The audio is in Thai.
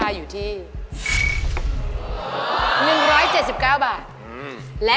อันนี้ถูกแล้ว